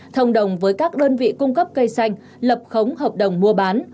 thông đồng với các đơn vị cung cấp cây xanh lập khống hợp đồng mua bán